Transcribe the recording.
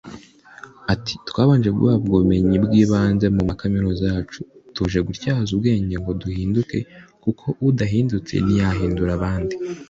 Ati “Twabanje guhabwa ubumenyi bw’ibanze mu makaminuza yacu tuje gutyaza ubwenge ngo duhinduke kuko udahindutse ntiyahindura abandi